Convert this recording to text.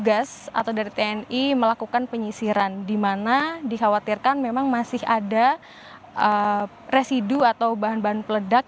petugas atau dari tni melakukan penyisiran di mana dikhawatirkan memang masih ada residu atau bahan bahan peledak